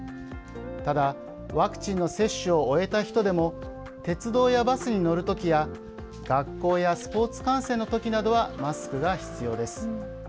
ただ、ワクチンの接種を終えた人でも鉄道やバスに乗るときや学校やスポーツ観戦のときなどはマスクが必要です。